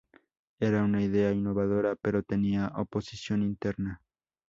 Era una idea innovadora, pero tenía oposición interna.